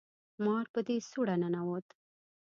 مار په دې سوړه ننوت